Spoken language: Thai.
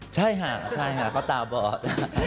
ใช่ค่ะเขาตาบอร์ด